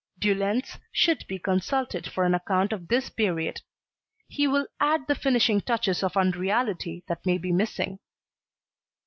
De Lenz should be consulted for an account of this period; he will add the finishing touches of unreality that may be missing.